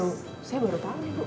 saya baru tahu ibu